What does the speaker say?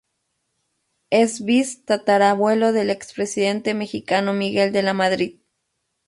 Es bis-tatarabuelo del expresidente mexicano Miguel de la Madrid.